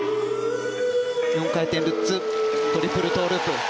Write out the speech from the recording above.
４回転ルッツトリプルトウループ。